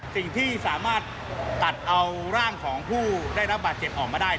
สิ่งที่สามารถตัดเอาร่างของผู้ได้รับบาดเจ็บออกมาได้